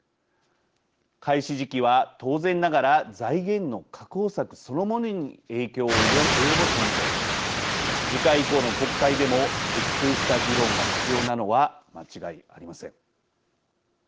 開始時期は、当然ながら財源の確保策そのものに影響を及ぼすもので次回以降の国会でも徹底した議論が必要なのは間違いありません。